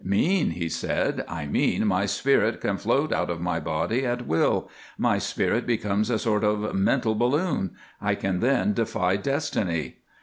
"Mean," he said, "I mean my spirit can float out of my body at will. My spirit becomes a sort of mental balloon. I can then defy destiny."